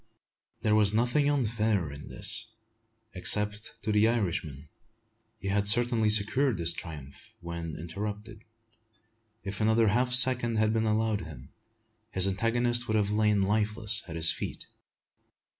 There was nothing unfair in this, except to the Irish man. He had certainly secured his triumph, when interrupted. If another half second had been allowed him, his antagonist would have lain lifeless at his feet.